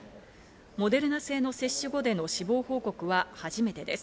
モデルナ製の接種後での死亡報告は初めてです。